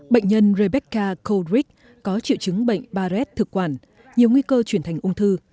bệnh nhân rebecca koldrick có triệu chứng bệnh barrett thực quản nhiều nguy cơ chuyển thành ung thư